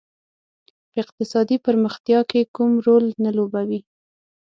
په اقتصادي پرمختیا کې کوم رول نه لوبوي.